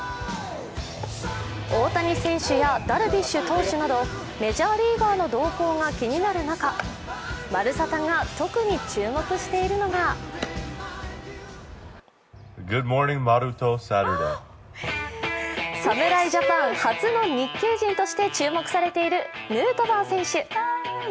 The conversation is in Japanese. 大谷選手やダルビッシュ投手などメジャーリーガーの動向が気になる中「まるサタ」が特に注目しているのが侍ジャパン初の日系人として注目されているヌートバー選手。